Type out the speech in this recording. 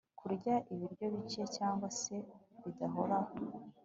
kurya ibiryo bike cyangwa se bidahoraho